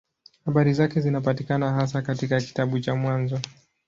Habari zake zinapatikana hasa katika kitabu cha Mwanzo.